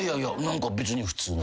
別に普通の。